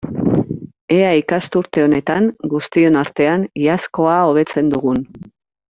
Ea ikasturte honetan, guztion artean, iazkoa hobetzen dugun!